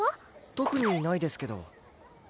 特にないですけど。